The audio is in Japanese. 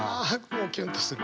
もうキュンとする。